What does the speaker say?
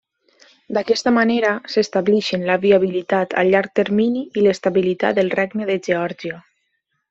D'aquesta manera, s'estableixen la viabilitat a llarg termini i l'estabilitat del regne de Geòrgia.